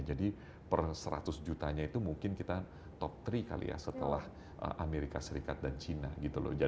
jadi per seratus juta nya itu mungkin kita top tiga kali ya setelah amerika serikat dan china gitu loh